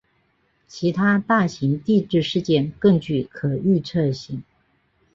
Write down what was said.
其他大型地质事件更具可预测性。